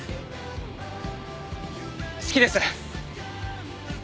好きです